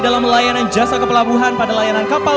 dalam layanan jasa kepelabuhan pada layanan kapal